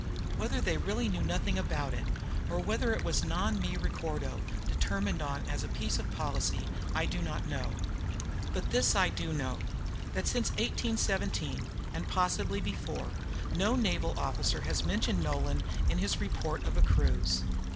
Whether they really knew nothing about it, or whether it was a "Non mi ricordo," determined on as a piece of policy, I do not know. But this I do know, that since 1817, and possibly before, no naval officer has mentioned Nolan in his report of a cruise.